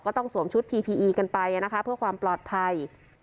สวมชุดพีพีอีกันไปนะคะเพื่อความปลอดภัย